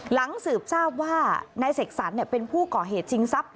หลังสืบทราบว่านายเสกสรรเป็นผู้ก่อเหตุชิงทรัพย